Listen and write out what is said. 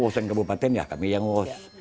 urusan kabupaten ya kami yang urus